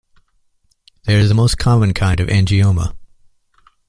They are the most common kind of angioma.